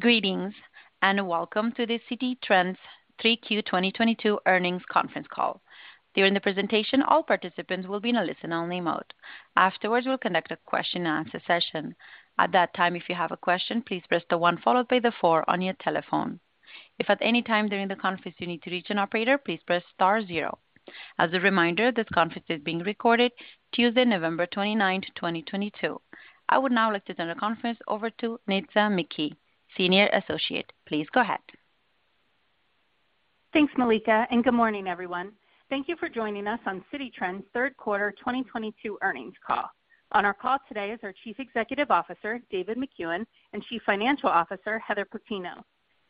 Greetings. Welcome to the Citi Trends 3Q 2022 Earnings Conference Call. During the presentation, all participants will be in a listen-only mode. Afterwards, we'll conduct a question and answer session. At that time, if you have a question, please press one followed by four on your telephone. If at any time during the conference you need to reach an operator, please press star zero. As a reminder, this conference is being recorded Tuesday, November 29th, 2022. I would now like to turn the conference over to Nitza McKee, Senior Associate. Please go ahead. Thanks, Malika. Good morning, everyone. Thank you for joining us on Citi Trends third Quarter 2022 Earnings Call. On our call today is our Chief Executive Officer, David Makuen, and Chief Financial Officer, Heather Plutino.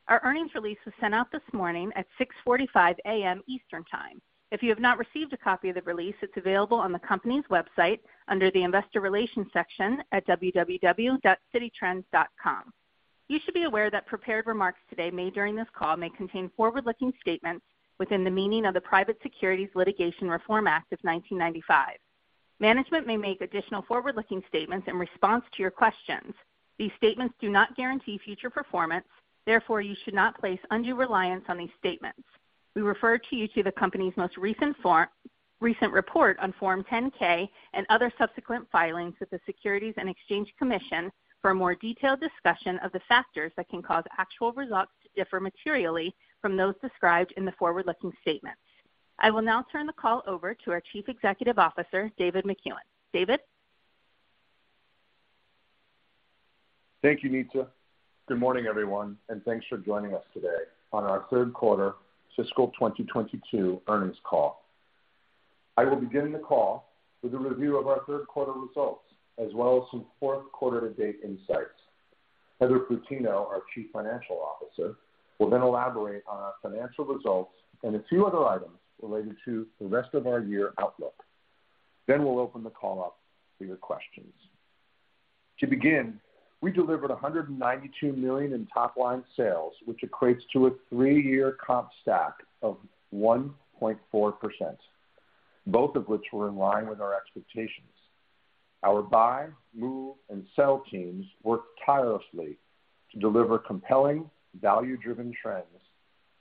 Our earnings release was sent out this morning at 6:45 A.M. Eastern Time. If you have not received a copy of the release, it's available on the company's website under the Investor Relations section at www.cititrends.com. You should be aware that prepared remarks today made during this call may contain forward-looking statements within the meaning of the Private Securities Litigation Reform Act of 1995. Management may make additional forward-looking statements in response to your questions. These statements do not guarantee future performance, therefore you should not place undue reliance on these statements. We refer to you to the company's most recent form recent report on Form 10-K and other subsequent filings with the Securities and Exchange Commission for a more detailed discussion of the factors that can cause actual results to differ materially from those described in the forward-looking statements. I will now turn the call over to our Chief Executive Officer, David Makuen. David? Thank you, Nitza. Good morning, everyone, thanks for joining us today on our Third Quarter Fiscal 2022 Earnings Call. I will begin the call with a review of our third quarter results, as well as some fourth quarter to date insights. Heather Plutino, our Chief Financial Officer, will then elaborate on our financial results and a few other items related to the rest of our year outlook. We'll open the call up for your questions. To begin, we delivered $192 million in top line sales, which equates to a three-year comp stack of 1.4%, both of which were in line with our expectations. Our buy, move, and sell teams worked tirelessly to deliver compelling, value-driven trends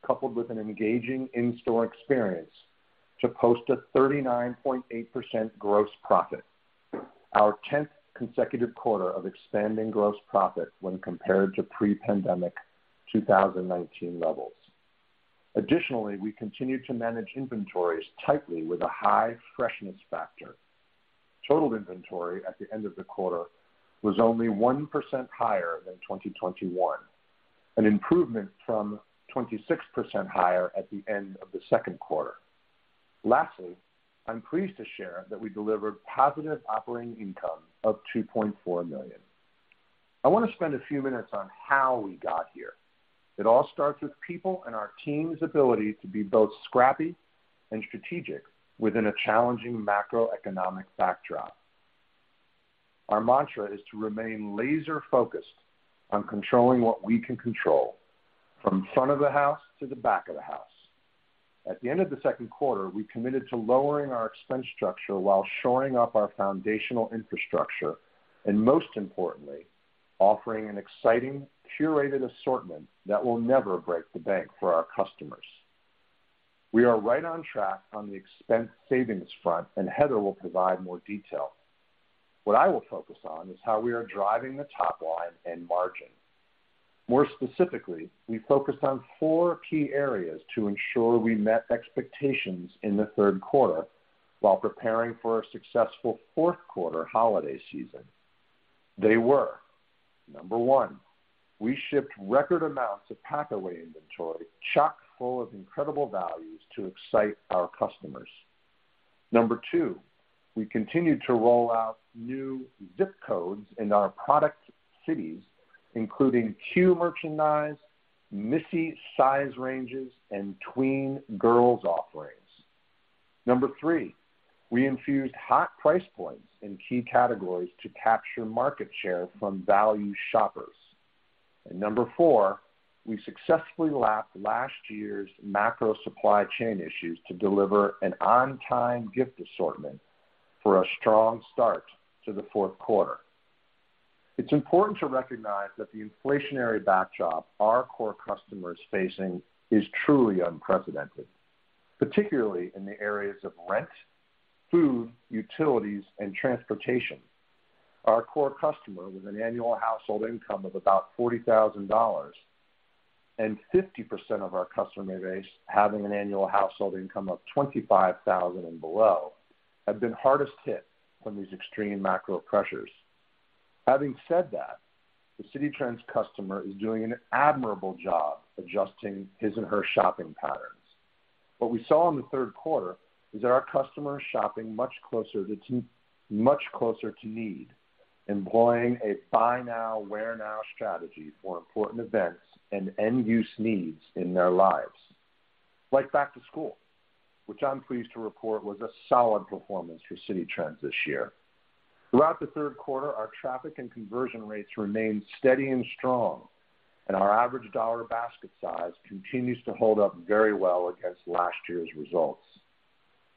coupled with an engaging in-store experience to post a 39.8% gross profit, our tenth consecutive quarter of expanding gross profit when compared to pre-pandemic 2019 levels. We continued to manage inventories tightly with a high freshness factor. Total inventory at the end of the quarter was only 1% higher than 2021, an improvement from 26% higher at the end of the second quarter. I'm pleased to share that we delivered positive operating income of $2.4 million. I want to spend a few minutes on how we got here. It all starts with people and our team's ability to be both scrappy and strategic within a challenging macroeconomic backdrop. Our mantra is to remain laser focused on controlling what we can control from front of the house to the back of the house. At the end of the second quarter, we committed to lowering our expense structure while shoring up our foundational infrastructure, and most importantly, offering an exciting curated assortment that will never break the bank for our customers. We are right on track on the expense savings front, and Heather will provide more detail. What I will focus on is how we are driving the top line and margin. More specifically, we focused on four key areas to ensure we met expectations in the third quarter while preparing for a successful fourth quarter holiday season. They were, number one, we shipped record amounts of pack-away inventory chock-full of incredible values to excite our customers. Number two, we continued to roll out new zip codes in our product cities, including Q merchandise, Missy size ranges, and tween girls offerings. Number three, we infused hot price points in key categories to capture market share from value shoppers. Number four, we successfully lapped last year's macro supply chain issues to deliver an on-time gift assortment for a strong start to the fourth quarter. It's important to recognize that the inflationary backdrop our core customer is facing is truly unprecedented, particularly in the areas of rent, food, utilities, and transportation. Our core customer with an annual household income of about $40,000 and 50% of our customer base having an annual household income of $25,000 and below have been hardest hit from these extreme macro pressures. Having said that, the Citi Trends customer is doing an admirable job adjusting his and her shopping patterns. What we saw in the third quarter is that our customers shopping much closer to need, employing a buy now, wear now strategy for important events and end use needs in their lives. Like back to school, which I'm pleased to report was a solid performance for Citi Trends this year. Throughout the third quarter, our traffic and conversion rates remained steady and strong, and our average dollar basket size continues to hold up very well against last year's results.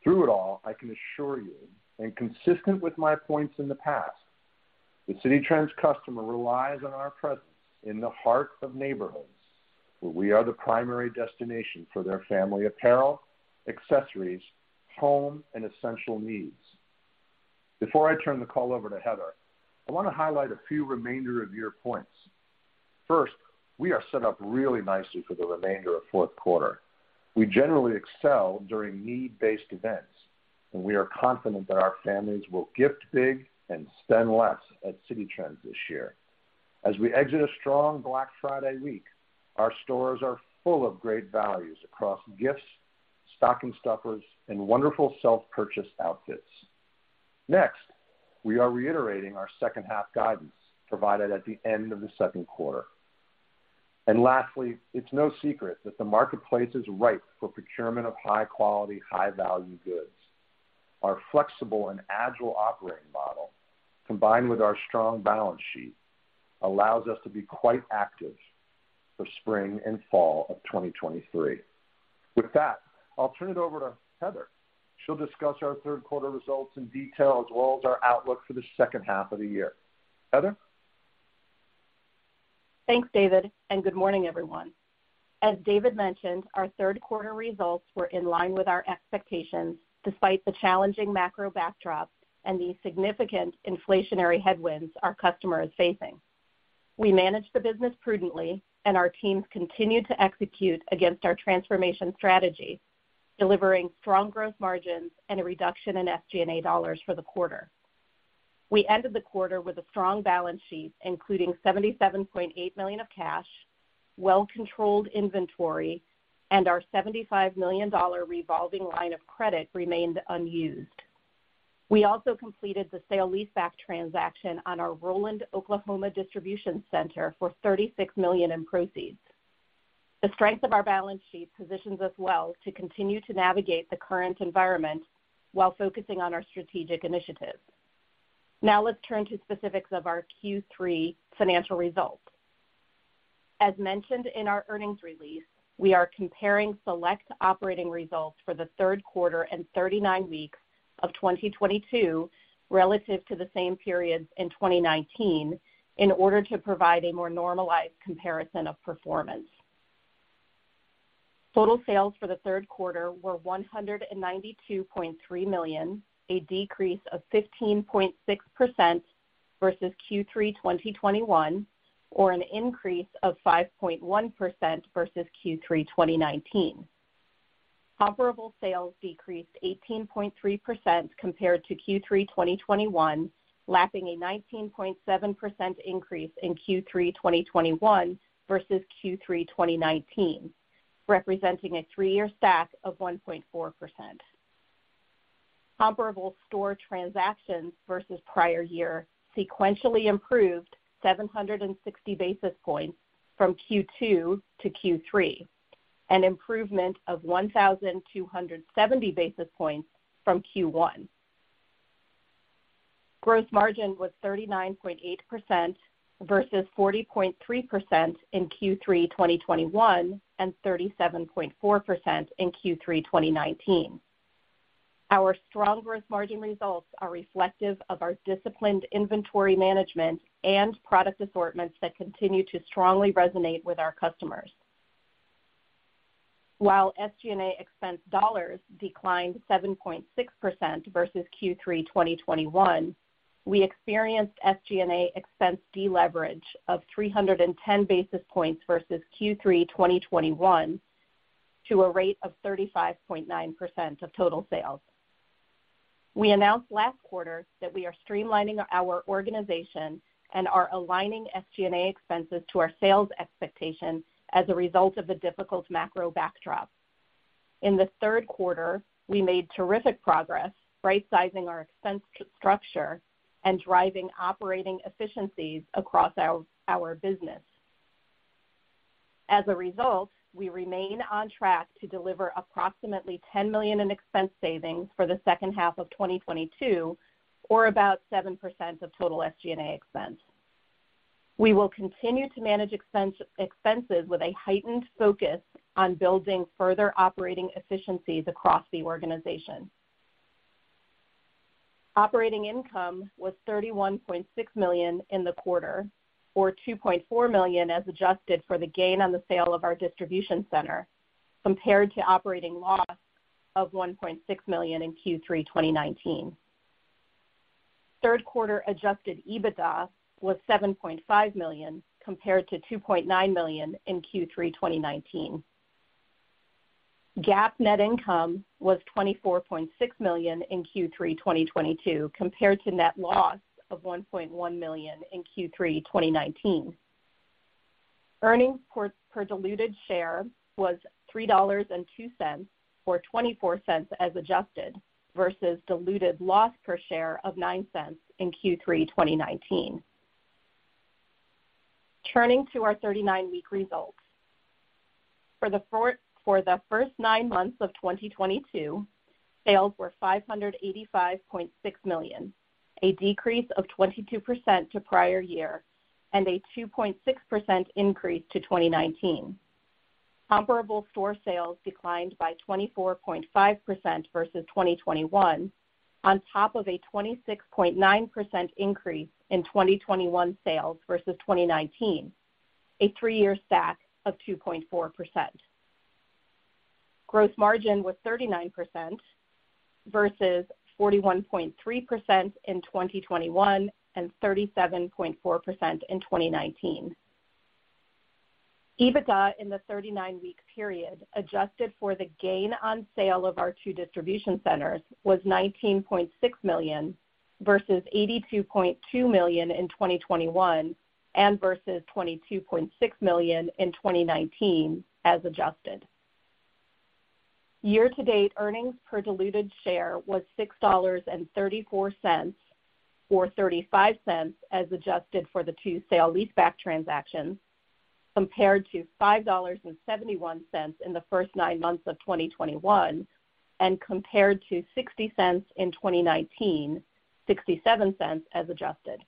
Through it all, I can assure you, and consistent with my points in the past, the Citi Trends customer relies on our presence in the heart of neighborhoods, where we are the primary destination for their family apparel, accessories, home, and essential needs. Before I turn the call over to Heather, I wanna highlight a few remainder of year points. First, we are set up really nicely for the remainder of fourth quarter. We generally excel during need-based events, and we are confident that our families will gift big and spend less at Citi Trends this year. As we exit a strong Black Friday week, our stores are full of great values across gifts, stocking stuffers, and wonderful self-purchase outfits. Next, we are reiterating our second half guidance provided at the end of the second quarter. Lastly, it's no secret that the marketplace is ripe for procurement of high quality, high value goods. Our flexible and agile operating model, combined with our strong balance sheet, allows us to be quite active for spring and fall of 2023. With that, I'll turn it over to Heather. She'll discuss our third quarter results in detail, as well as our outlook for the second half of the year. Heather? Thanks, David, and good morning, everyone. As David mentioned, our third quarter results were in line with our expectations, despite the challenging macro backdrop and the significant inflationary headwinds our customer is facing. We managed the business prudently and our teams continued to execute against our transformation strategy, delivering strong growth margins and a reduction in SG&A dollars for the quarter. We ended the quarter with a strong balance sheet, including $77.8 million of cash, well controlled inventory, and our $75 million revolving line of credit remained unused. We also completed the sale leaseback transaction on our Roland, Oklahoma distribution center for $36 million in proceeds. The strength of our balance sheet positions us well to continue to navigate the current environment while focusing on our strategic initiatives. Let's turn to specifics of our Q3 financial results. As mentioned in our earnings release, we are comparing select operating results for the third quarter and 39 weeks of 2022 relative to the same periods in 2019, in order to provide a more normalized comparison of performance. Total sales for the third quarter were $192.3 million, a decrease of 15.6% versus Q3 2021, or an increase of 5.1% versus Q3 2019. Comparable sales decreased 18.3% compared to Q3 2021, lapping a 19.7% increase in Q3 2021 versus Q3 2019, representing a three-year stack of 1.4%. Comparable store transactions versus prior year sequentially improved 760 basis points from Q2-Q3, an improvement of 1,270 basis points from Q1. Gross margin was 39.8% versus 40.3% in Q3 2021, and 37.4% in Q3 2019. Our strong gross margin results are reflective of our disciplined inventory management and product assortments that continue to strongly resonate with our customers. While SG&A expense dollars declined 7.6% versus Q3 2021, we experienced SG&A expense deleverage of 310 basis points versus Q3 2021 to a rate of 35.9% of total sales. We announced last quarter that we are streamlining our organization and are aligning SG&A expenses to our sales expectations as a result of the difficult macro backdrop. In the third quarter, we made terrific progress rightsizing our expense structure and driving operating efficiencies across our business. As a result, we remain on track to deliver approximately $10 million in expense savings for the second half of 2022, or about 7% of total SG&A expense. We will continue to manage expenses with a heightened focus on building further operating efficiencies across the organization. Operating income was $31.6 million in the quarter, or $2.4 million as adjusted for the gain on the sale of our distribution center, compared to operating loss of $1.6 million in Q3 2019. Third quarter Adjusted EBITDA was $7.5 million, compared to $2.9 million in Q3 2019. GAAP net income was $24.6 million in Q3 2022, compared to net loss of $1.1 million in Q3 2019. Earnings per diluted share was $3.02, or $0.24 as adjusted, versus diluted loss per share of $0.09 in Q3 2019. Turning to our 39-week results. For the first nine months of 2022, sales were $585.6 million, a decrease of 22% to prior year, and a 2.6% increase to 2019. Comparable store sales declined by 24.5% versus 2021, on top of a 26.9% increase in 2021 sales versus 2019, a three year stack of 2.4%. Gross margin was 39% versus 41.3% in 2021 and 37.4% in 2019. EBITDA in the 39 week period, adjusted for the gain on sale of our two distribution centers, was $19.6 million versus $82.2 million in 2021 versus $22.6 million in 2019 as adjusted. Year to date earnings per diluted share was $6.34, or $0.35 as adjusted for the two sale leaseback transactions, compared to $5.71 in the first nine months of 2021, compared to $0.60 in 2019, $0.67 as adjusted.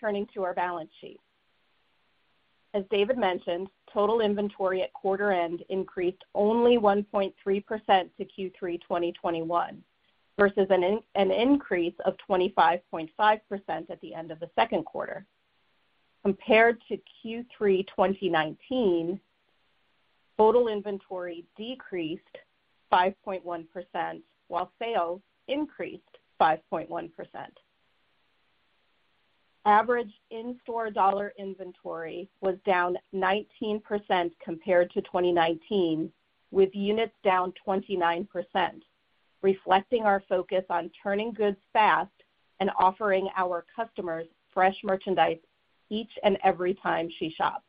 Turning to our balance sheet. As David mentioned, total inventory at quarter end increased only 1.3% to Q3 2021 versus an increase of 25.5% at the end of the second quarter. Compared to Q3 2019, total inventory decreased 5.1% while sales increased 5.1%. Average in-store dollar inventory was down 19% compared to 2019, with units down 29%, reflecting our focus on turning goods fast and offering our customers fresh merchandise each and every time she shops.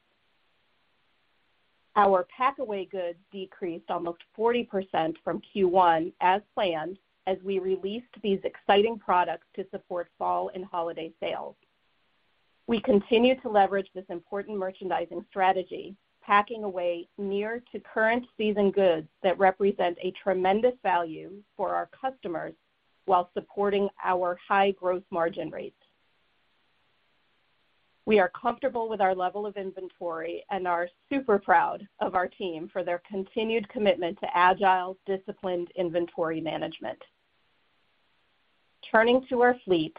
Our pack-away goods decreased almost 40% from Q1 as planned as we released these exciting products to support fall and holiday sales. We continue to leverage this important merchandising strategy, packing away near to current season goods that represent a tremendous value for our customers while supporting our high growth margin rates. We are comfortable with our level of inventory and are super proud of our team for their continued commitment to agile, disciplined inventory management. Turning to our fleet.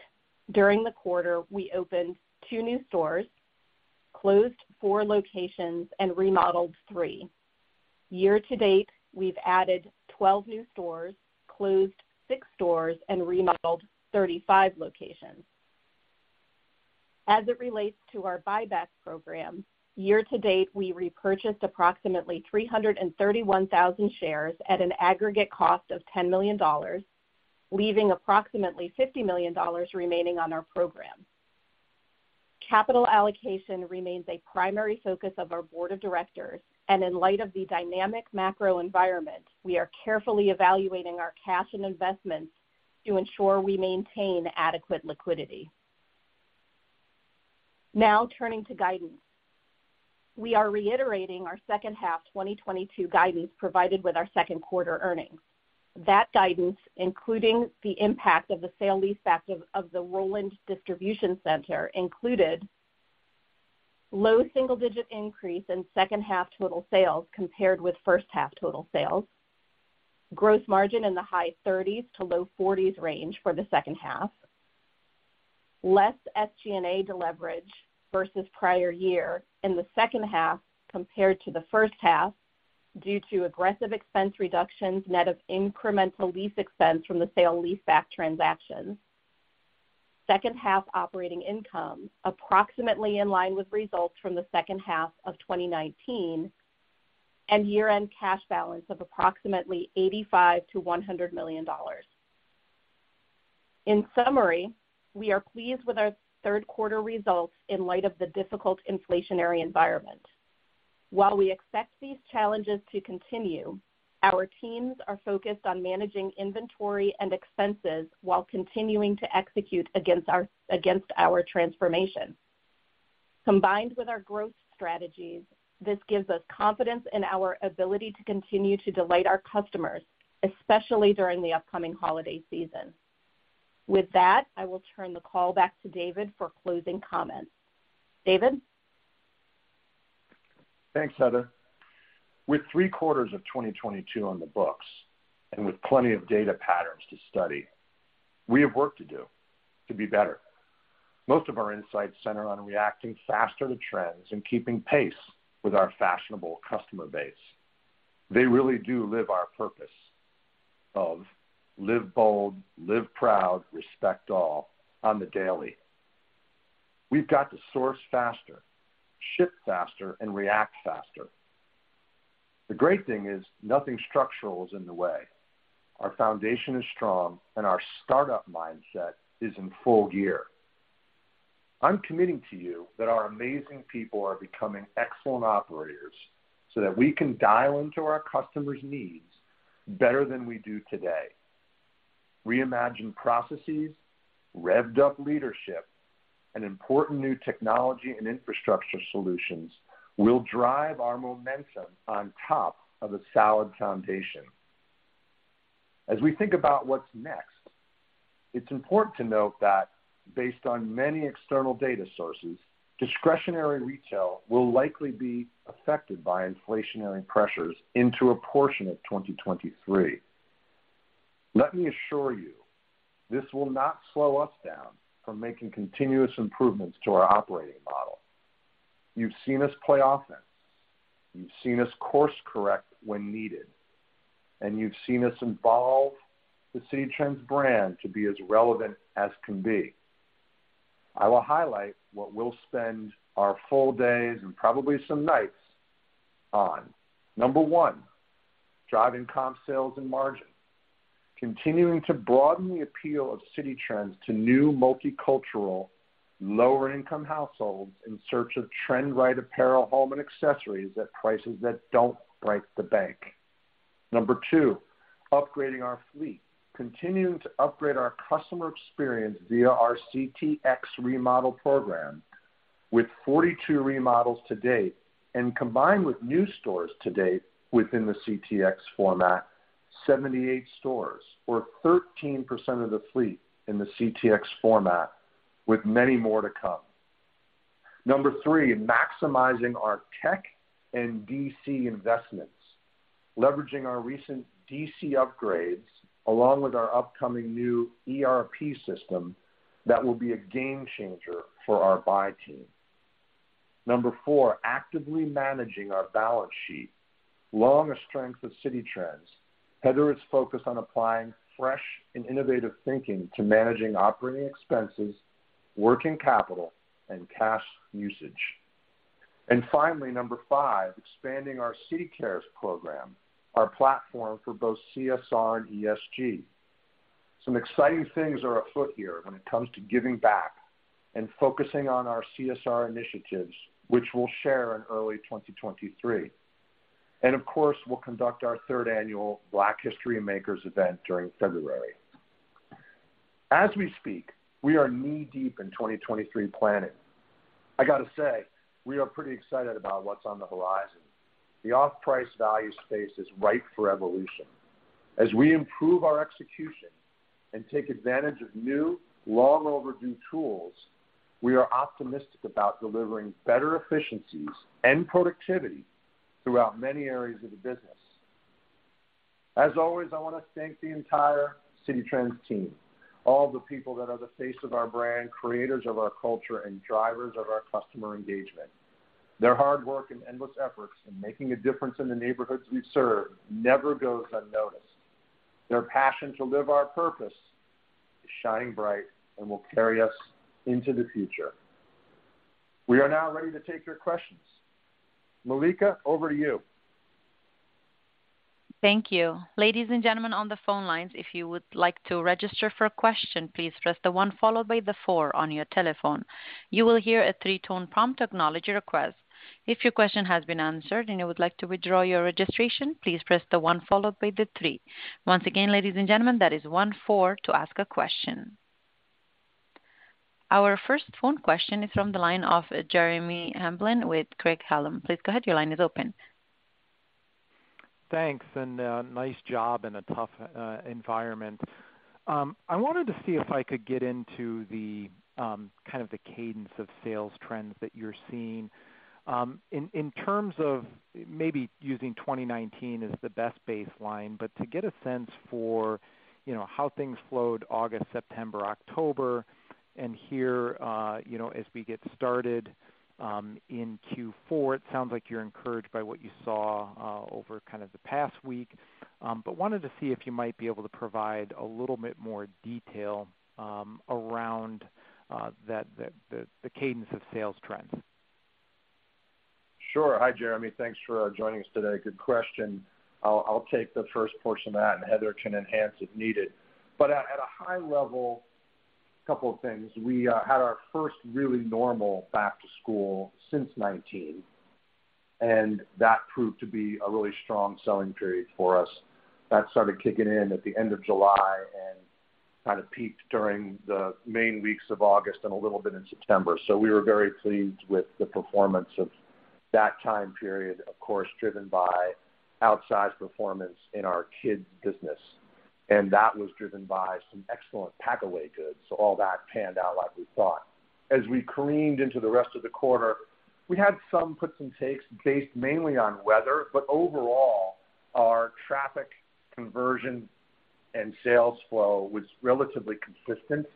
During the quarter, we opened two new stores, closed four locations, and remodeled three. Year to date, we've added 12 new stores, closed six stores, and remodeled 35 locations. As it relates to our buyback program, year to date, we repurchased approximately 331,000 shares at an aggregate cost of $10 million, leaving approximately $50 million remaining on our program. Capital allocation remains a primary focus of our board of directors. In light of the dynamic macro environment, we are carefully evaluating our cash and investments to ensure we maintain adequate liquidity. Now, turning to guidance. We are reiterating our second half 2022 guidance provided with our second quarter earnings. That guidance, including the impact of the sale leaseback of the Roland Distribution Center, included low single-digit increase in second half total sales compared with first half total sales. Gross margin in the high thirties to low forties range for the second half. Less SG&A deleverage versus prior year in the second half compared to the first half due to aggressive expense reductions net of incremental lease expense from the sale leaseback transactions. Second half operating income approximately in line with results from the second half of 2019. Year-end cash balance of approximately $85 million-$100 million. In summary, we are pleased with our third quarter results in light of the difficult inflationary environment. While we expect these challenges to continue, our teams are focused on managing inventory and expenses while continuing to execute against our transformation. Combined with our growth strategies, this gives us confidence in our ability to continue to delight our customers, especially during the upcoming holiday season. With that, I will turn the call back to David for closing comments. David? Thanks, Heather. With three quarters of 2022 on the books and with plenty of data patterns to study, we have work to do to be better. Most of our insights center on reacting faster to trends and keeping pace with our fashionable customer base. They really do live our purpose of live bold, live proud, respect all on the daily. We've got to source faster, ship faster, and react faster. The great thing is nothing structural is in the way. Our foundation is strong and our startup mindset is in full gear. I'm committing to you that our amazing people are becoming excellent operators so that we can dial into our customers' needs better than we do today. Reimagine processes, revved up leadership, and important new technology and infrastructure solutions will drive our momentum on top of a solid foundation. As we think about what's next, it's important to note that based on many external data sources, discretionary retail will likely be affected by inflationary pressures into a portion of 2023. Let me assure you, this will not slow us down from making continuous improvements to our operating model. You've seen us play offense, you've seen us course-correct when needed, and you've seen us evolve the Citi Trends brand to be as relevant as can be. I will highlight what we'll spend our full days and probably some nights on. Number one, driving comp sales and margin, continuing to broaden the appeal of Citi Trends to new multicultural, lower income households in search of trend right apparel, home, and accessories at prices that don't break the bank. Number two, upgrading our fleet. Continuing to upgrade our customer experience via our CTX remodel program with 42 remodels to date, and combined with new stores to date within the CTX format, 78 stores or 13% of the fleet in the CTX format, with many more to come. Number three, maximizing our tech and DC investments, leveraging our recent DC upgrades along with our upcoming new ERP system that will be a game changer for our buy team. Number four, actively managing our balance sheet. Long a strength of Citi Trends, Heather is focused on applying fresh and innovative thinking to managing operating expenses, working capital, and cash usage. Finally, number five, expanding our Citi Cares program, our platform for both CSR and ESG. Some exciting things are afoot here when it comes to giving back and focusing on our CSR initiatives, which we'll share in early 2023. Of course, we'll conduct our third annual Black History Makers event during February. As we speak, we are knee-deep in 2023 planning. I gotta say, we are pretty excited about what's on the horizon. The off-price value space is ripe for evolution. As we improve our execution and take advantage of new, long overdue tools, we are optimistic about delivering better efficiencies and productivity throughout many areas of the business. As always, I wanna thank the entire Citi Trends team, all the people that are the face of our brand, creators of our culture, and drivers of our customer engagement. Their hard work and endless efforts in making a difference in the neighborhoods we serve never goes unnoticed. Their passion to live our purpose is shining bright and will carry us into the future. We are now ready to take your questions. Malika, over to you. Thank you. Ladies and gentlemen on the phone lines, if you would like to register for a question, please press the one followed by the four on your telephone. You will hear a three tone prompt acknowledge your request. If your question has been answered and you would like to withdraw your registration, please press the one followed by the three. Once again, ladies and gentlemen, that is one four to ask a question. Our first phone question is from the line of Jeremy Hamblin with Craig-Hallum. Please go ahead. Your line is open. Thanks. Nice job in a tough environment. I wanted to see if I could get into the kind of the cadence of sales trends that you're seeing. In, in terms of maybe using 2019 as the best baseline, but to get a sense for, you know, how things flowed August, September, October, and here, you know, as we get started, in Q4, it sounds like you're encouraged by what you saw over kind of the past week. Wanted to see if you might be able to provide a little bit more detail around the cadence of sales trends. Sure. Hi, Jeremy. Thanks for joining us today. Good question. I'll take the first portion of that, and Heather can enhance if needed. At a high level, couple of things. We had our first really normal back to school since 2019, and that proved to be a really strong selling period for us. That started kicking in at the end of July and kind of peaked during the main weeks of August and a little bit in September. We were very pleased with the performance of that time period, of course, driven by outsized performance in our kids business. That was driven by some excellent pack-away goods. All that panned out like we thought. As we careened into the rest of the quarter, we had some puts and takes based mainly on weather, but overall, our traffic conversion and sales flow was relatively consistent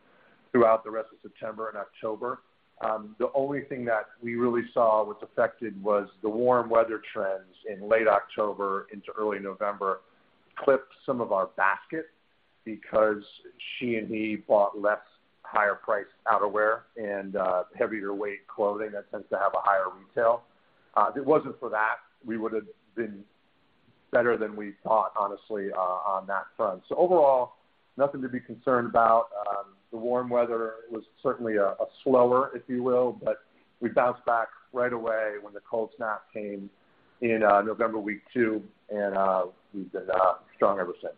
throughout the rest of September and October. The only thing that we really saw was affected was the warm weather trends in late October into early November clipped some of our basket because she and he bought less higher priced outerwear and heavier weight clothing that tends to have a higher retail. If it wasn't for that, we would've been better than we thought, honestly, on that front. Overall, nothing to be concerned about. The warm weather was certainly a slower, if you will, but we bounced back right away when the cold snap came in November week two, and we've been strong ever since.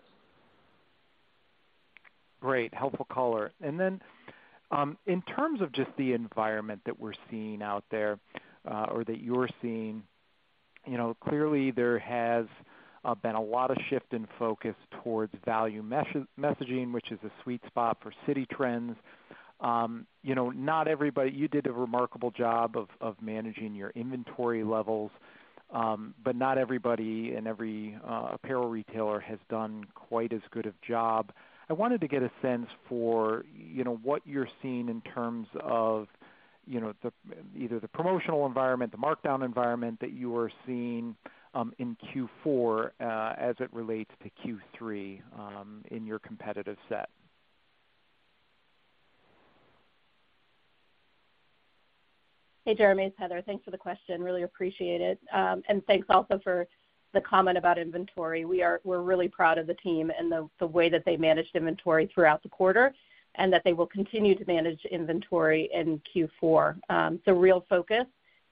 Great, helpful color. In terms of just the environment that we're seeing out there, or that you're seeing, you know, clearly there has been a lot of shift in focus towards value messaging, which is a sweet spot for Citi Trends. You know, you did a remarkable job of managing your inventory levels. Not everybody and every apparel retailer has done quite as good a job. I wanted to get a sense for, you know, what you're seeing in terms of, you know, either the promotional environment, the markdown environment that you are seeing in Q4, as it relates to Q3, in your competitive set. Hey, Jeremy, it's Heather. Thanks for the question. Really appreciate it. Thanks also for the comment about inventory. We're really proud of the team and the way that they managed inventory throughout the quarter and that they will continue to manage inventory in Q4. It's a real focus,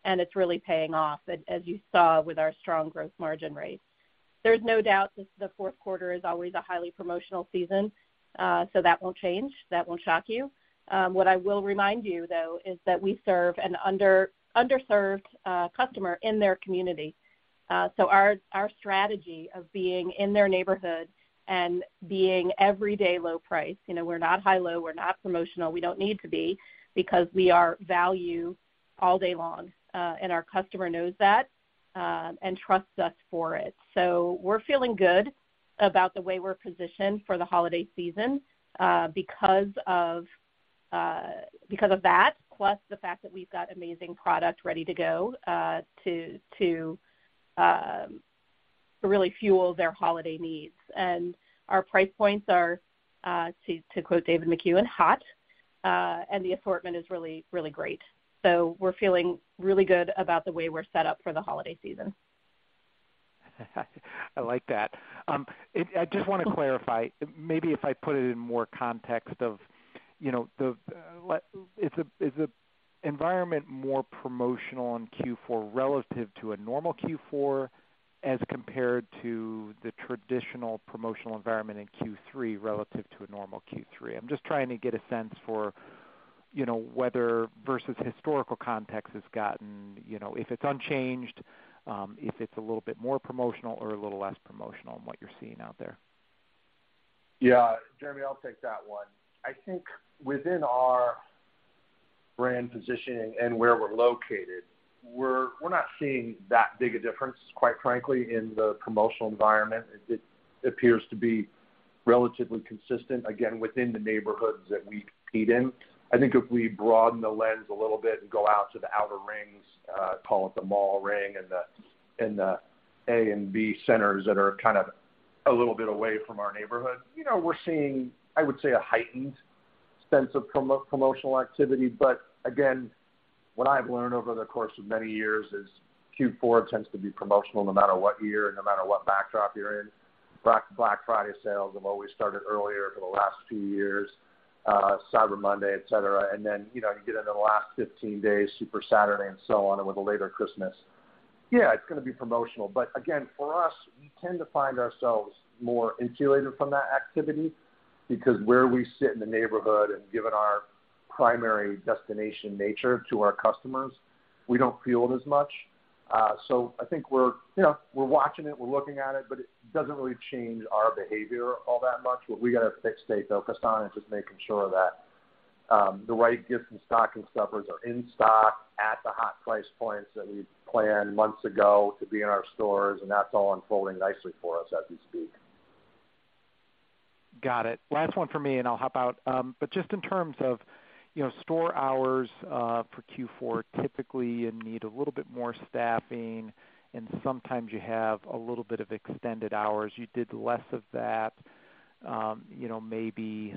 and it's really paying off, as you saw with our strong growth margin rates. There's no doubt that the fourth quarter is always a highly promotional season, so that won't change. That won't shock you. I will remind you, though, is that we serve an underserved customer in their community. Our strategy of being in their neighborhood and being everyday low price, you know, we're not high-low, we're not promotional, we don't need to be because we are value all day long, and our customer knows that and trusts us for it. We're feeling good about the way we're positioned for the holiday season because of that, plus the fact that we've got amazing product ready to go to really fuel their holiday needs. Our price points are to quote David Makuen, "Hot," and the assortment is really, really great. We're feeling really good about the way we're set up for the holiday season. I like that. I just wanna clarify, maybe if I put it in more context of, you know, Is the environment more promotional in Q4 relative to a normal Q4 as compared to the traditional promotional environment in Q3 relative to a normal Q3? I'm just trying to get a sense for, you know, whether versus historical context has gotten, you know, if it's unchanged, if it's a little bit more promotional or a little less promotional in what you're seeing out there. Jeremy, I'll take that one. I think within our brand positioning and where we're located, we're not seeing that big a difference, quite frankly, in the promotional environment. It appears to be relatively consistent, again, within the neighborhoods that we compete in. I think if we broaden the lens a little bit and go out to the outer rings, call it the mall ring and the A and B centers that are kind of a little bit away from our neighborhood, you know, we're seeing, I would say, a heightened sense of promotional activity. Again, what I've learned over the course of many years is Q4 tends to be promotional no matter what year and no matter what backdrop you're in. Black Friday sales have always started earlier for the last few years, Cyber Monday, et cetera. You know, you get into the last 15 days, Super Saturday and so on, and with a later Christmas. Yeah, it's gonna be promotional. For us, we tend to find ourselves more insulated from that activity because where we sit in the neighborhood and given our primary destination nature to our customers, we don't feel it as much. I think we're, you know, we're watching it, we're looking at it, but it doesn't really change our behavior all that much. What we gotta fixate, though, Kastani, is just making sure that the right gifts and stocking stuffers are in stock at the hot price points that we planned months ago to be in our stores, and that's all unfolding nicely for us as we speak. Got it. Last one for me, and I'll hop out. Just in terms of, you know, store hours for Q4, typically you need a little bit more staffing, and sometimes you have a little bit of extended hours. You did less of that, you know, maybe,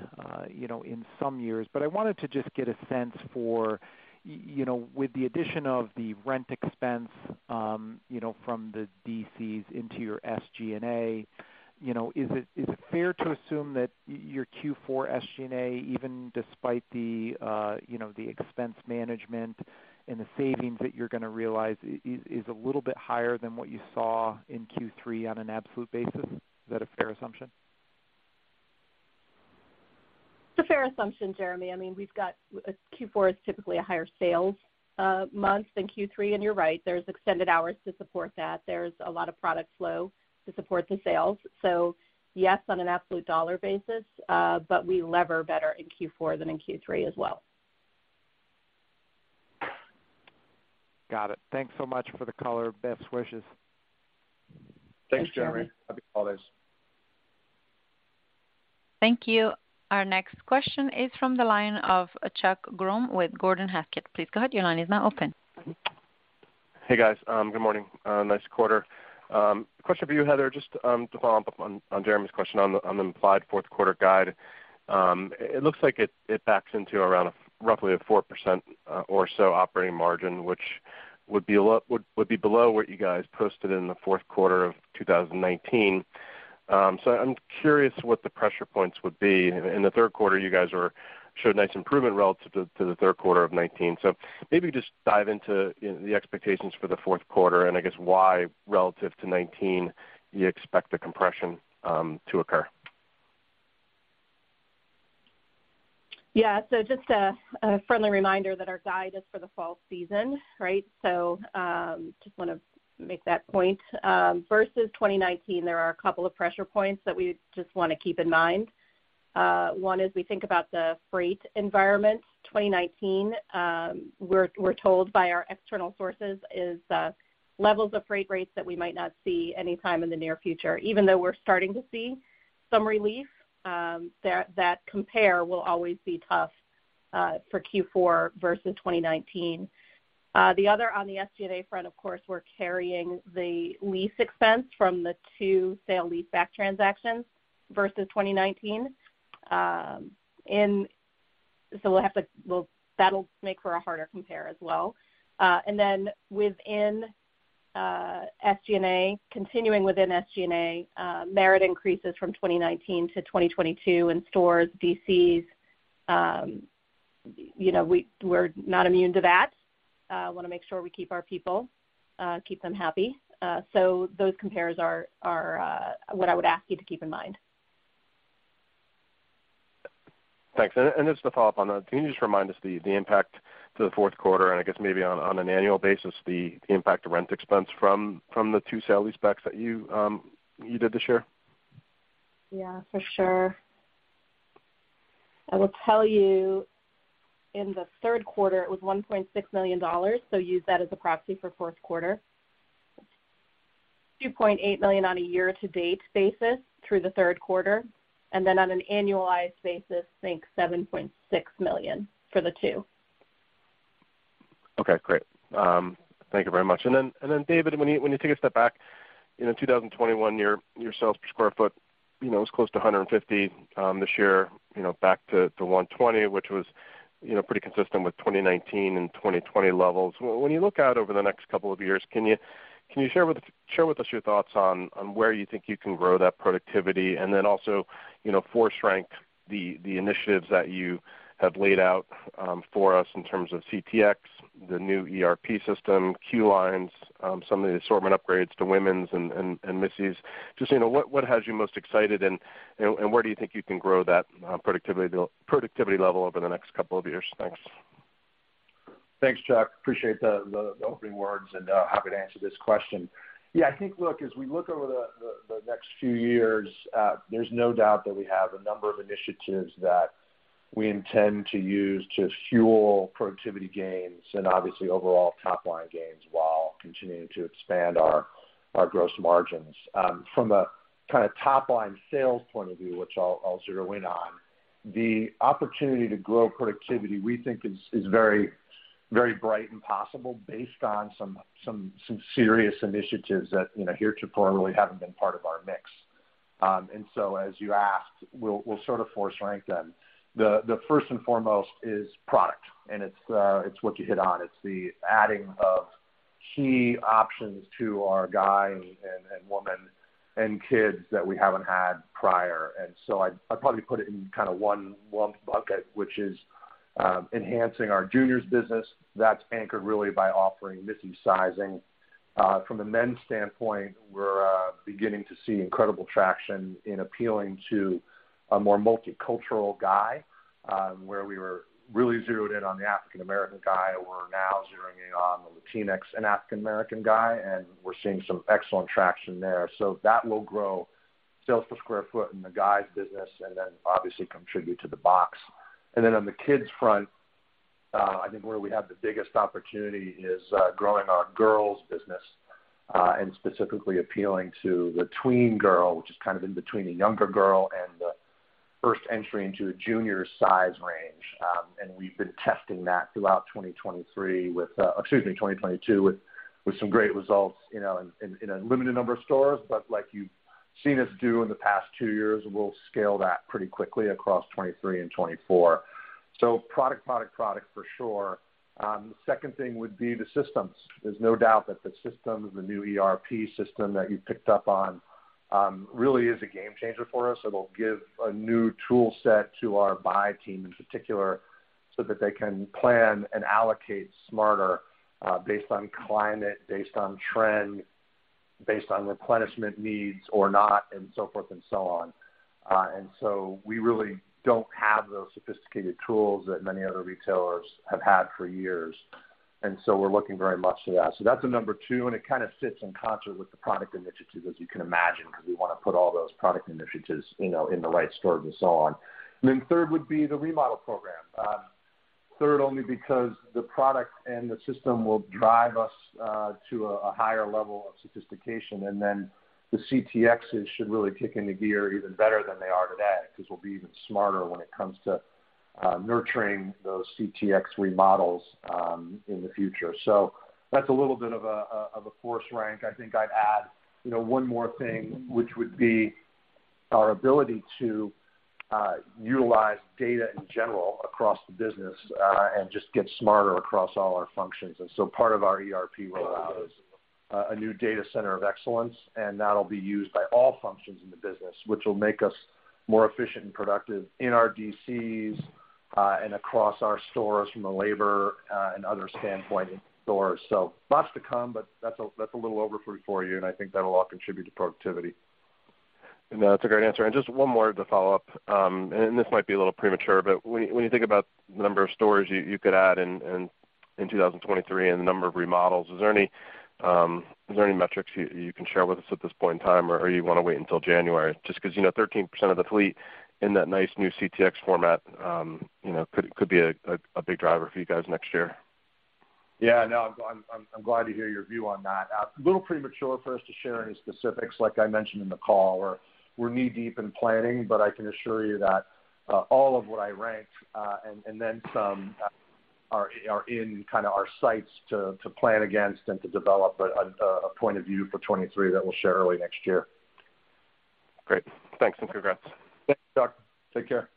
you know, in some years. I wanted to just get a sense for, you know, with the addition of the rent expense, you know, from the DCs into your SG&A, you know, is it fair to assume that your Q4 SG&A, even despite the, you know, the expense management and the savings that you're gonna realize is a little bit higher than what you saw in Q3 on an absolute basis? Is that a fair assumption? It's a fair assumption, Jeremy. I mean, Q4 is typically a higher sales month than Q3. You're right, there's extended hours to support that. There's a lot of product flow to support the sales. Yes, on an absolute dollar basis. We lever better in Q4 than in Q3 as well. Got it. Thanks so much for the color. Best wishes. Thanks, Jeremy. Thanks, Jeremy. Happy holidays. Thank you. Our next question is from the line of Chuck Grom with Gordon Haskett. Please go ahead. Your line is now open. Hey, guys. Good morning. Nice quarter. Question for you, Heather Plutino, just to follow up on Jeremy Hamblin's question on the implied fourth quarter guide. It looks like it backs into around roughly a 4% or so operating margin, which would be below what you guys posted in the fourth quarter of 2019. I'm curious what the pressure points would be. In the third quarter, you guys showed nice improvement relative to the third quarter of 2019. Maybe just dive into, you know, the expectations for the fourth quarter and I guess why relative to 2019 you expect the compression to occur. Yeah. Just a friendly reminder that our guide is for the fall season, right? Just wanna make that point. Versus 2019, there are a couple of pressure points that we just wanna keep in mind. One is we think about the freight environment. 2019, we're told by our external sources is levels of freight rates that we might not see any time in the near future, even though we're starting to see some relief, that compare will always be tough for Q4 versus 2019. The other on the SG&A front, of course, we're carrying the lease expense from the two sale leaseback transactions versus 2019, that'll make for a harder compare as well. Within SG&A, continuing within SG&A, merit increases from 2019-2022 in stores, DCs, you know, we're not immune to that. Wanna make sure we keep our people, keep them happy. Those compares are what I would ask you to keep in mind. Thanks. Just a follow-up on that. Can you just remind us the impact to the fourth quarter, and I guess maybe on an annual basis, the impact of rent expense from the two sale leasebacks that you did this year? Yeah, for sure. I will tell you in the third quarter, it was $1.6 million, so use that as a proxy for fourth quarter. $2.8 million on a year-to-date basis through the third quarter, and then on an annualized basis, think $7.6 million for the two. Okay, great. Thank you very much. David, when you take a step back, you know, 2021, your sales per square foot, you know, was close to 150, this year, you know, back to 120, which was, you know, pretty consistent with 2019 and 2020 levels. When you look out over the next couple of years, can you share with us your thoughts on where you think you can grow that productivity? Also, you know, force rank the initiatives that you have laid out for us in terms of CTx, the new ERP system, Q-lines, some of the assortment upgrades to women's and Missy. Just, you know, what has you most excited and where do you think you can grow that productivity level over the next couple of years? Thanks. Thanks, Chuck. Appreciate the opening words, happy to answer this question. Yeah, I think, look, as we look over the next few years, there's no doubt that we have a number of initiatives that we intend to use to fuel productivity gains and obviously overall top line gains while continuing to expand our gross margins. From a kinda top line sales point of view, which I'll zero in on, the opportunity to grow productivity, we think is very bright and possible based on some serious initiatives that, you know, heretofore really haven't been part of our mix. As you asked, we'll sort of force rank them. The first and foremost is product, and it's what you hit on. It's the adding of key options to our guy and woman and kids that we haven't had prior. I'd probably put it in kinda one lump bucket, which is enhancing our juniors business. That's anchored really by offering Missy sizing. From the men's standpoint, we're beginning to see incredible traction in appealing to a more multicultural guy, where we were really zeroed in on the African American guy. We're now zeroing in on the Latinx and African American guy, and we're seeing some excellent traction there. That will grow sales per sq ft in the guys business and then obviously contribute to the box. On the kids front, I think where we have the biggest opportunity is growing our girls business, and specifically appealing to the tween girl, which is kind of in between the younger girl and the first entry into a junior size range. We've been testing that throughout 2023 with, excuse me, 2022, with some great results, you know, in a limited number of stores. Like you've seen us do in the past two years, we'll scale that pretty quickly across 2023 and 2024. Product, product for sure. The second thing would be the systems. There's no doubt that the system, the new ERP system that you picked up on, really is a game changer for us. It'll give a new tool set to our buy team in particular so that they can plan and allocate smarter, based on climate, based on trend, based on replenishment needs or not, and so forth and so on. We really don't have those sophisticated tools that many other retailers have had for years, and so we're looking very much to that. That's a number two, and it kinda sits in concert with the product initiatives, as you can imagine, because we wanna put all those product initiatives, you know, in the right store and so on. Third would be the remodel program. Third only because the product and the system will drive us to a higher level of sophistication. The CTx should really kick into gear even better than they are today, because we'll be even smarter when it comes to nurturing those CTx remodels in the future. That's a little bit of a force rank. I think I'd add, you know, one more thing, which would be our ability to utilize data in general across the business and just get smarter across all our functions. Part of our ERP rollout is a new data center of excellence, and that'll be used by all functions in the business, which will make us more efficient and productive in our DCs and across our stores from a labor and other standpoint in stores. Lots to come, but that's a little overview for you, and I think that'll all contribute to productivity. No, that's a great answer. Just one more to follow up. This might be a little premature, but when you think about the number of stores you could add in 2023 and the number of remodels, is there any metrics you can share with us at this point in time? Or are you gonna wait until January? Just 'cause, you know, 13% of the fleet in that nice new CTx format, you know, could be a big driver for you guys next year. Yeah, no, I'm glad to hear your view on that. A little premature for us to share any specifics, like I mentioned in the call, where we're knee-deep in planning. I can assure you that all of what I ranked and then some are in kind of our sights to plan against and to develop a point of view for 2023 that we'll share early next year. Great. Thanks and congrats. Thanks, Chuck. Take care.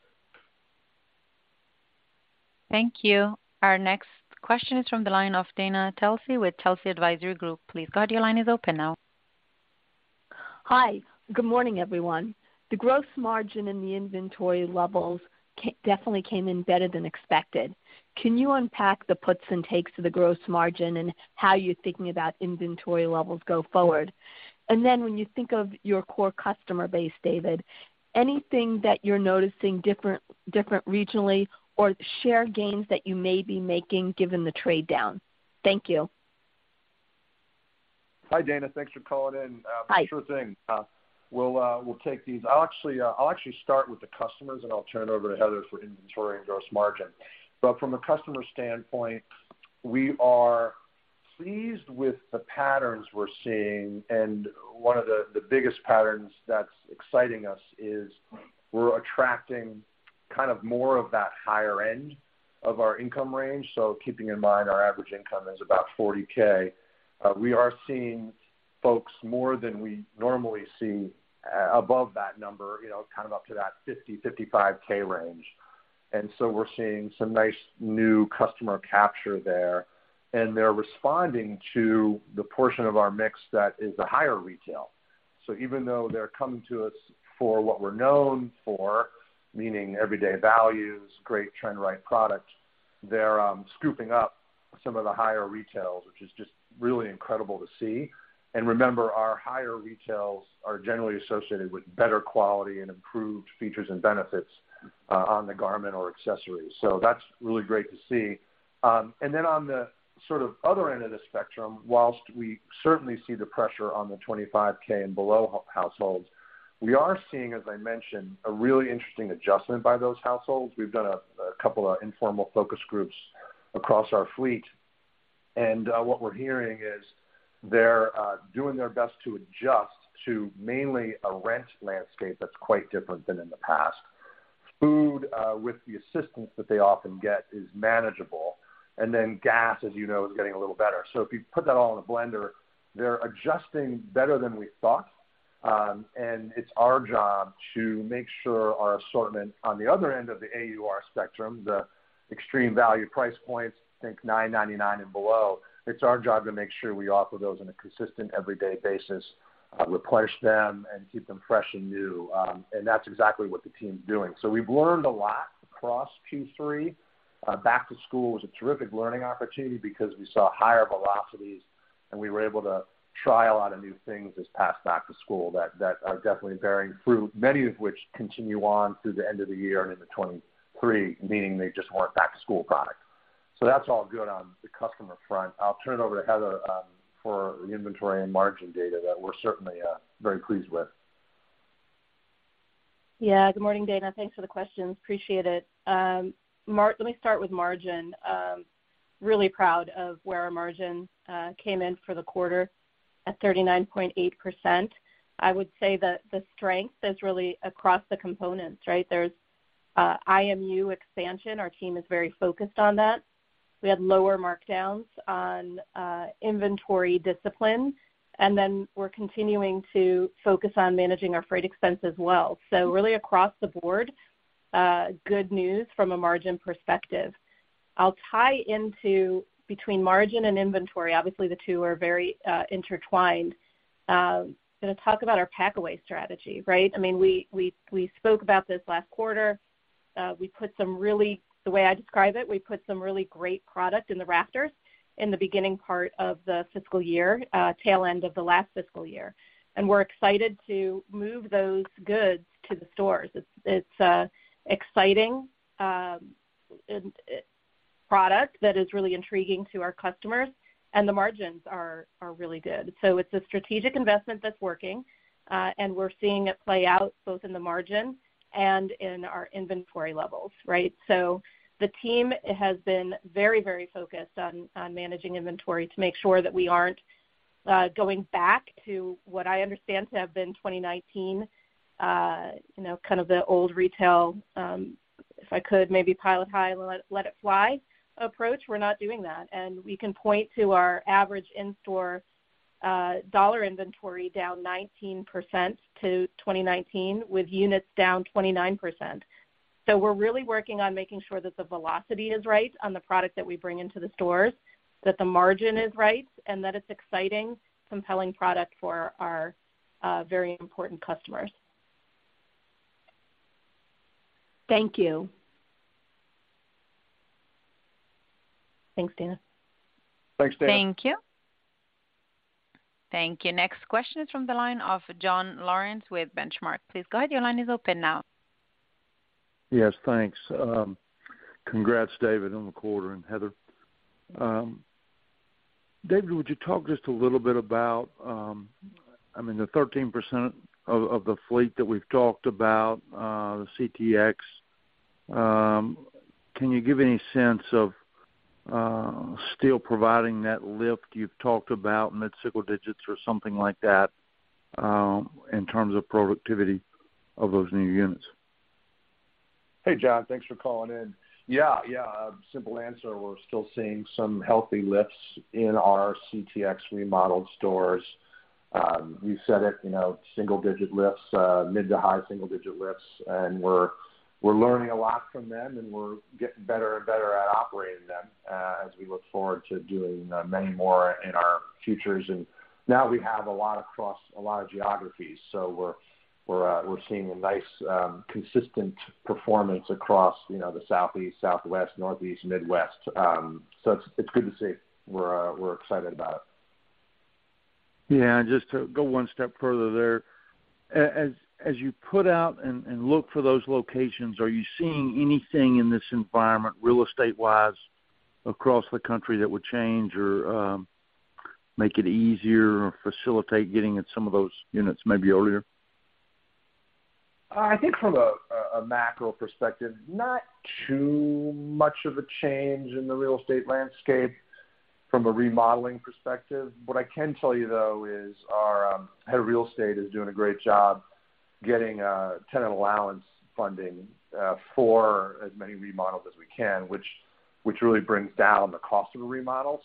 Thank you. Our next question is from the line of Dana Telsey with Telsey Advisory Group. Please go ahead, your line is open now. Hi. Good morning, everyone. The gross margin and the inventory levels definitely came in better than expected. Can you unpack the puts and takes of the gross margin and how you're thinking about inventory levels go forward? When you think of your core customer base, David, anything that you're noticing different regionally or share gains that you may be making given the trade down? Thank you. Hi, Dana. Thanks for calling in. Hi. Sure thing. We'll take these. I'll actually start with the customers, and I'll turn it over to Heather for inventory and gross margin. From a customer standpoint, we are pleased with the patterns we're seeing, and one of the biggest patterns that's exciting us is we're attracting kind of more of that higher end of our income range. Keeping in mind our average income is about 40K, we are seeing folks more than we normally see above that number, you know, kind of up to that 50K-55K range. We're seeing some nice new customer capture there. They're responding to the portion of our mix that is a higher retail. Even though they're coming to us for what we're known for, meaning everyday values, great trend right product, they're scooping up some of the higher retails, which is just really incredible to see. Remember, our higher retails are generally associated with better quality and improved features and benefits on the garment or accessories. That's really great to see. On the sort of other end of the spectrum, whilst we certainly see the pressure on the 25K and below households, we are seeing, as I mentioned, a really interesting adjustment by those households. We've done a couple of informal focus groups across our fleet, and what we're hearing is they're doing their best to adjust to mainly a rent landscape that's quite different than in the past. Food, with the assistance that they often get is manageable. Gas, as you know, is getting a little better. If you put that all in a blender, they're adjusting better than we thought, and it's our job to make sure our assortment on the other end of the AUR spectrum, the extreme value price points, think $9.99 and below, it's our job to make sure we offer those on a consistent everyday basis, replenish them and keep them fresh and new. That's exactly what the team's doing. We've learned a lot across Q3. Back to school was a terrific learning opportunity because we saw higher velocities, and we were able to try a lot of new things this past back to school that are definitely bearing fruit, many of which continue on through the end of the year and into 2023, meaning they just weren't back-to-school products. That's all good on the customer front. I'll turn it over to Heather for the inventory and margin data that we're certainly very pleased with. Yeah, good morning, Dana. Thanks for the questions. Appreciate it. Let me start with margin. Really proud of where our margin came in for the quarter at 39.8%. I would say that the strength is really across the components, right? There's IMU expansion. Our team is very focused on that. We had lower markdowns on inventory discipline, and then we're continuing to focus on managing our freight expense as well. Really across the board, good news from a margin perspective. I'll tie into between margin and inventory. Obviously, the two are very intertwined. Gonna talk about our pack-away strategy, right? I mean, we spoke about this last quarter. We put some really... The way I describe it, we put some really great product in the rafters in the beginning part of the fiscal year, tail end of the last fiscal year. We're excited to move those goods to the stores. It's a exciting product that is really intriguing to our customers, and the margins are really good. It's a strategic investment that's working, and we're seeing it play out both in the margin and in our inventory levels, right? The team has been very focused on managing inventory to make sure that we aren't going back to what I understand to have been 2019, you know, kind of the old retail, if I could maybe pilot high and let it fly approach. We're not doing that. We can point to our average in-store, dollar inventory down 19% to 2019 with units down 29%. We're really working on making sure that the velocity is right on the product that we bring into the stores, that the margin is right and that it's exciting, compelling product for our, very important customers. Thank you. Thanks, Dana. Thanks, Dana. Thank you. Thank you. Next question is from the line of John Lawrence with Benchmark. Please go ahead. Your line is open now. Yes, thanks. Congrats, David, on the quarter, and Heather. David, would you talk just a little bit about, I mean, the 13% of the fleet that we've talked about, the CTx, can you give any sense of still providing that lift you've talked about mid-single digits or something like that, in terms of productivity of those new units? Hey, John. Thanks for calling in. Yeah, yeah. A simple answer. We're still seeing some healthy lifts in our CTx remodeled stores. We said it, you know, single-digit lifts, mid-to-high single-digit lifts. We're learning a lot from them and we're getting better and better at operating them, as we look forward to doing many more in our futures. Now we have a lot across a lot of geographies. We're seeing a nice consistent performance across, you know, the southeast, southwest, northeast, midwest. It's good to see. We're excited about it. Yeah. Just to go one step further there. As you put out and look for those locations, are you seeing anything in this environment real estate-wise across the country that would change or make it easier or facilitate getting at some of those units maybe earlier? I think from a macro perspective, not too much of a change in the real estate landscape from a remodeling perspective. What I can tell you, though, is our head of real estate is doing a great job getting tenant allowance funding for as many remodels as we can, which really brings down the cost of a remodel.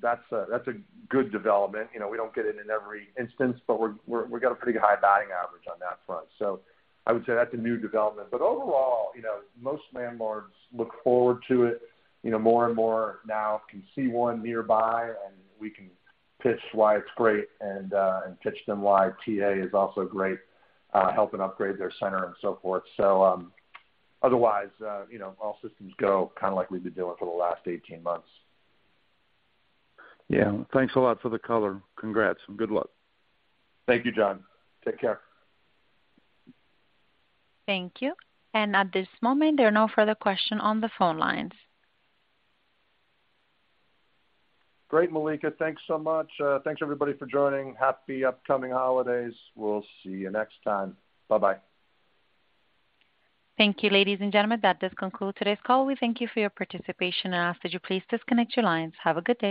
That's a good development. You know, we don't get it in every instance, but we've got a pretty high batting average on that front. I would say that's a new development. Overall, you know, most landlords look forward to it. You know, more and more now can see one nearby, we can pitch why it's great and pitch them why TA is also great, helping upgrade their center and so forth. otherwise, you know, all systems go, kinda like we've been doing for the last 18 months. Yeah. Thanks a lot for the color. Congrats and good luck. Thank you, John. Take care. Thank you. At this moment, there are no further question on the phone lines. Great, Malika. Thanks so much. Thanks everybody for joining. Happy upcoming holidays. We'll see you next time. Bye-bye. Thank you, ladies and gentlemen. That does conclude today's call. We thank you for your participation and ask that you please disconnect your lines. Have a good day.